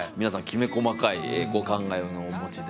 きめ細かいお考えをお持ちで。